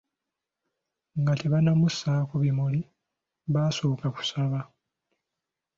Nga tebannamussaako bimuli, baasooka kusaba.